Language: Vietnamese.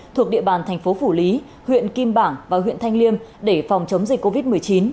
thuộc địa bàn thành phố phủ lý huyện kim bảng và huyện thanh liêm để phòng chống dịch covid một mươi chín